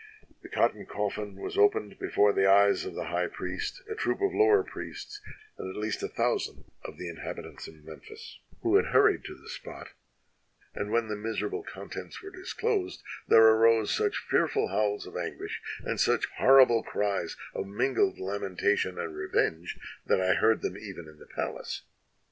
The cotton coffin was opened before the eyes of the high priest, a troop of lower priests, and at least a thousand of the inhabitants of Memphis, 200 WHY PHANES WAS EXILED who had hurried to the spot, and when the miserable contents were disclosed, there arose such fearful howls of anguish, and such horrible cries of mingled lamen tation and revenge, that I heard them even in the palace.